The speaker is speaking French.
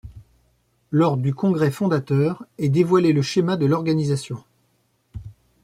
Lors du congrès fondateur, est dévoilé le schéma de l'organisation.